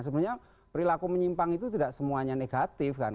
sebenarnya perilaku menyimpang itu tidak semuanya negatif kan